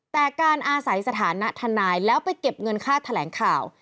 แต่การอาศัยสถานะทนายแล้วไปเก็บเงินค่าแถลงข่าว